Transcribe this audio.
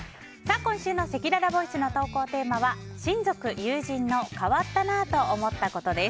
今週のせきららボイスの投稿テーマは親族・友人の変わったなぁと思ったことです。